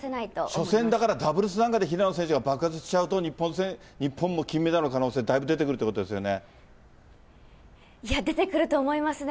初戦だからダブルスなんかで平野選手が爆発しちゃうと、日本も金メダルの可能性、いや、出てくると思いますね。